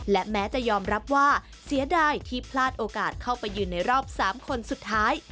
และแม้จะยอมรับว่าเสียดายที่พลาดโอกาสเข้าไปยืนในรอบ๓คนสุดท้าย